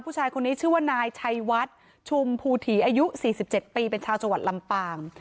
ผู้ชายคนนี้ชื่อว่านายชัยวัดชุมภูถีอายุ๔๗ปีเป็นชาวจังหวัดลำปาง